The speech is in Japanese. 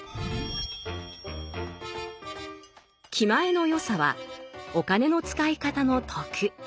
「気前の良さ」はお金の使い方の徳。